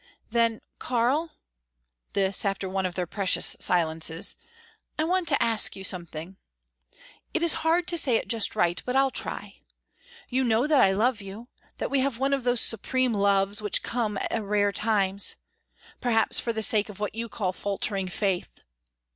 "Then, Karl," this after one of their precious silences "I want to ask you something. It is hard to say it just right, but I'll try. You know that I love you that we have one of those supreme loves which come at rare times perhaps for the sake of what you call faltering faith.